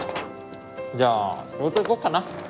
じゃあ仕事行こっかな。